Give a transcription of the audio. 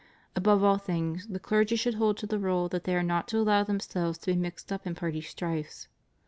Above all things, the clergy should hold to the rule that they are not to allow themselves to be mixed up in party strifes.